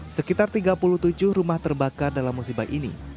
sekitar tiga puluh tujuh rumah terbakar dalam musibah ini